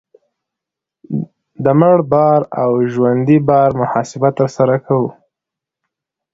د مړ بار او ژوندي بار محاسبه ترسره کوو